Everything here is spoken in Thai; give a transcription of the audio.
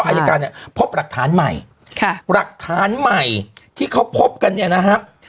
อายการเนี่ยพบหลักฐานใหม่ค่ะหลักฐานใหม่ที่เขาพบกันเนี่ยนะฮะ